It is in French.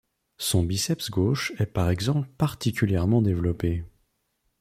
Son biceps gauche est par exemple particulièrement développé.